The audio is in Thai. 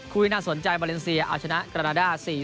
ที่น่าสนใจเมรินเซียอาชนะกราณา๔๐